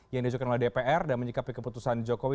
yang diajukan oleh dpr dan menyikapi keputusan jokowi